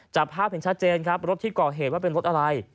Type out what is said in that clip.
จับภาพเห็นชัดเจนครับรถที่ก่อเหตุว่าเป็นรถอะไร